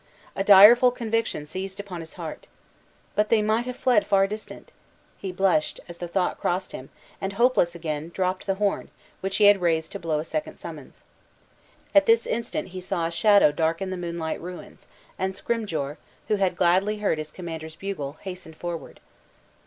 A direful conviction seized upon his heart. But they might have fled far distant! he blushed as the thought crossed him, and hopeless again, dropped the horn, which he had raised to blow a second summons. At this instant he saw a shadow darken the moonlight ruins, and Scrymgeour, who had gladly heard his commander's bugle, hastened forward.